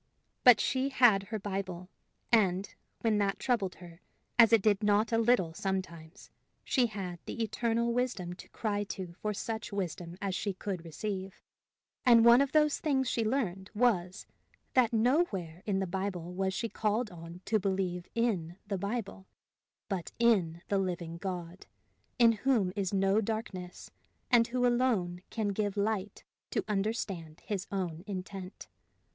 But she had her Bible, and, when that troubled her, as it did not a little sometimes, she had the Eternal Wisdom to cry to for such wisdom as she could receive; and one of the things she learned was, that nowhere in the Bible was she called on to believe in the Bible, but in the living God, in whom is no darkness, and who alone can give light to understand his own intent.